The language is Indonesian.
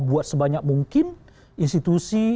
buat sebanyak mungkin institusi